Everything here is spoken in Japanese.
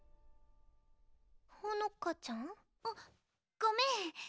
穂乃果ちゃん？あっごめん。